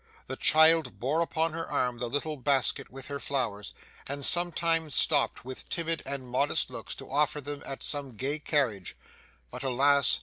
The child bore upon her arm the little basket with her flowers, and sometimes stopped, with timid and modest looks, to offer them at some gay carriage; but alas!